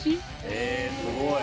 えすごい。